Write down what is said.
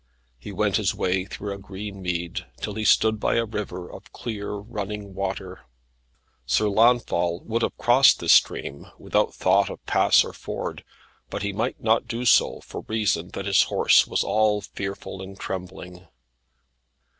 He went his way through a green mead, till he stood by a river of clear running water. Sir Launfal would have crossed this stream, without thought of pass or ford, but he might not do so, for reason that his horse was all fearful and trembling.